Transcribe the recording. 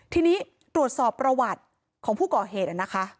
ทีนี้ตรวจสอบประวัติของผู้ก่อเหตุนะคะ